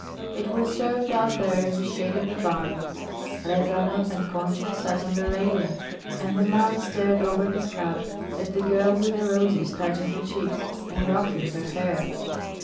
It was served out there in the shade of the vines. Rezanov and Concha sat on the railing, and the man stared over his cup at the girl with the roses touching her cheeks and ruffling her hair.